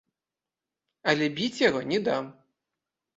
Але біць яго не дам.